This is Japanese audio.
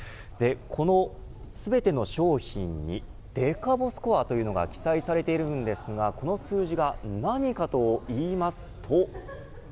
この全ての商品にデカボスコアというのが記載されているんですがこの数字が何かと言いますと。